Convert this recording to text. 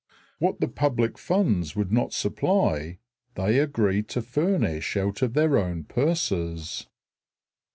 What the public funds would not supply they agreed to furnish out of their own purses.